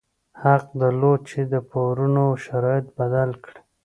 حق درلود چې د پورونو شرایط بدل کړي.